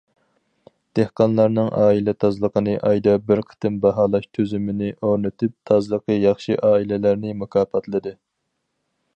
دېھقانلارنىڭ ئائىلە تازىلىقىنى ئايدا بىر قېتىم باھالاش تۈزۈمىنى ئورنىتىپ، تازىلىقى ياخشى ئائىلىلەرنى مۇكاپاتلىدى.